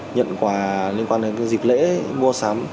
nhận quà liên quan đến dịp lễ mua sắm